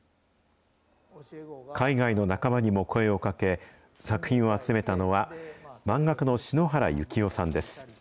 海外の仲間にも声をかけ、作品を集めたのは、漫画家の篠原ユキオさんです。